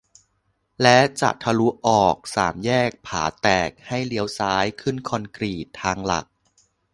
และจะทะลุออกสามแยกผาแตกให้เลี้ยวซ้ายขึ้นคอนกรีตทางหลัก